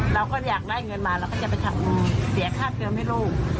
เราก็อยากได้เงินมาเราก็จะไปทำเสียค่าเติมให้ลูก